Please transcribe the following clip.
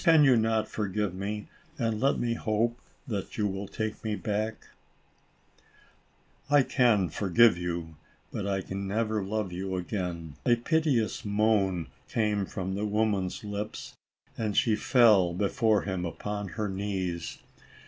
Can you not forgive me, and let me hope that you will take me back ?"" I can forgive you, but I can never love you again." A piteous moan came from the woman's lips and she fell before him, upon her knees.